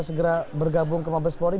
segera bergabung ke mabespori